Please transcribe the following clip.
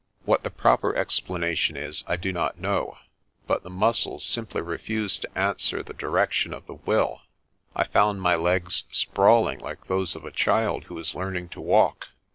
What the proper explanation is I do not know, but the muscles simply refuse to answer the direction of the will. I found my legs sprawling like those of a child who is learning to walk.